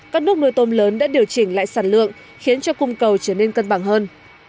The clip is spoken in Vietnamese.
các nước nuôi tôm lớn đã điều chỉnh lại sản lượng khiến cho cung cầu trở nên cân bằng hơn